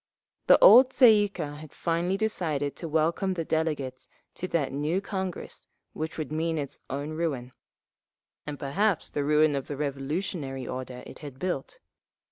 The old Tsay ee kah had finally decided to welcome the delegates to that new Congress which would mean its own ruin—and perhaps the ruin of the revolutionary order it had built.